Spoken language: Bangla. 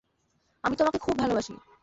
আমি তোমাকে খুব ভালোবাসি।